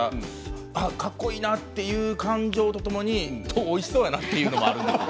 かっこいいなという感情とともにおいしそうやなというのはある。